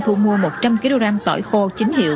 thu mua một trăm linh kg tỏi khô chính hiệu